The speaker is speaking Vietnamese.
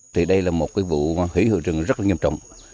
thì đây là một cái vụ hủy hoại rừng rất là nghiêm trọng